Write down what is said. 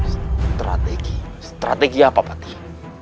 strategi strategi apa pak teng